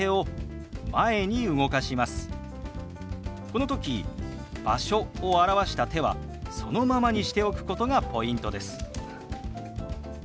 この時「場所」を表した手はそのままにしておくことがポイントです。